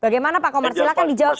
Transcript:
bagaimana pak komar silahkan dijawab